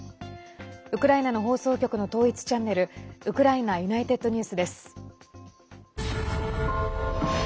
ウクライナの放送局の統一チャンネルウクライナＵｎｉｔｅｄＮｅｗｓです。